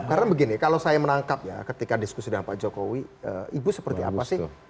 jadi kalau saya menangkap ya ketika diskusi dengan pak jokowi ibu seperti apa sih